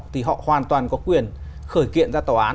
thì họ hoàn toàn có quyền khởi kiện ra tòa án